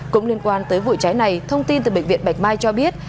cũng liên quan tới vụ cháy này thông tin từ bệnh viện bạch mai cho biết